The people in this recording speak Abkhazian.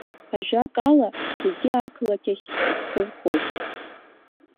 Ажәак ала, зегьы ақалақь ахь рхы хоуп!